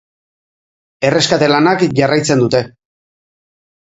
Erreskate lanak jarraitzen dute.